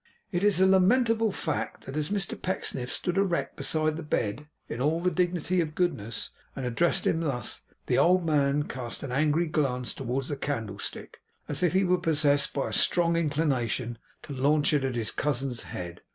It is a lamentable fact, that as Mr Pecksniff stood erect beside the bed, in all the dignity of Goodness, and addressed him thus, the old man cast an angry glance towards the candlestick, as if he were possessed by a strong inclination to launch it at his cousin's head.